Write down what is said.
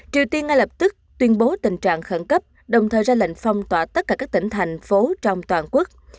triều tiên ngay lập tức tuyên bố tình trạng khẩn cấp đồng thời ra lệnh phong tỏa tất cả các tỉnh thành phố trong toàn quốc